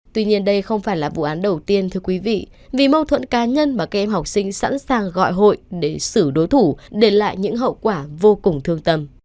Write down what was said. tuy nhiên đây không phải là vụ án đầu tiên thưa quý vị vì mâu thuẫn cá nhân mà các em học sinh sẵn sàng gọi hội để xử đối thủ để lại những hậu quả vô cùng thương tâm